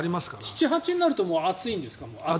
７月、８月になると暑いんですか。